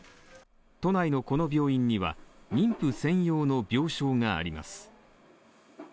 都内のこの病院には妊婦専用の病床があります。